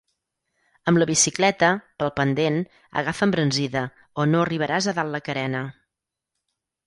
Amb la bicicleta, pel pendent, agafa embranzida o no arribaràs a dalt la carena.